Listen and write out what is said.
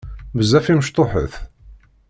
Bezzaf i mecṭuḥet.